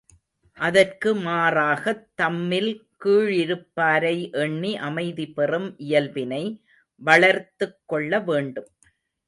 அதற்கு மாறாகத் தம்மில் கீழிருப்பாரை எண்ணி அமைதி பெறும் இயல்பினை வளர்த்துக் கொள்ள வேண்டும்.